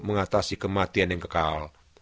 mengatasi kematian yang kekal